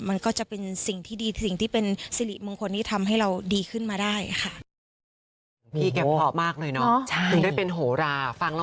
มันก็จะเป็นสิ่งที่ดีสิ่งที่เป็นสิริมงคลที่ทำให้เราดีขึ้นมาได้ค่ะ